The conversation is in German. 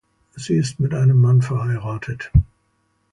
Sie ist mit einem Mann verheiratet.